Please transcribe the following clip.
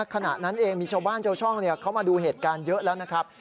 ขณะนั้นเองมีชาวบ้านชาวช่องเขามาดูเหตุการณ์เยอะแล้วนะครับ